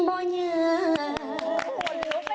โหรูปไม่หมดแล้วแม่จ๋า